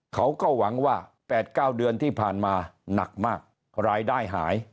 เขาก็หวังว่า๘๙เดือนที่ผ่านมาหนักมากรายได้หาย